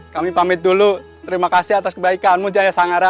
kami pamit dulu terima kasih atas kebaikanmu jaya sangara